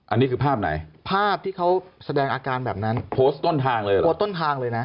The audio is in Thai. อันนี้คือภาพไหนภาพที่เขาแสดงอาการแบบนั้นโพสต์ต้นทางเลยเหรอโพสต์ต้นทางเลยนะ